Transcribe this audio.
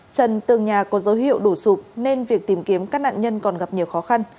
trần tường nhà có dấu hiệu đổ sụp nên việc tìm kiếm các nạn nhân còn gặp nhiều khó khăn